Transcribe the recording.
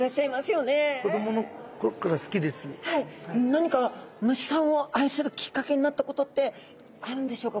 何か虫さんを愛するきっかけになったことってあるんでしょうか？